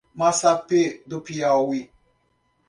Massapê do Piauí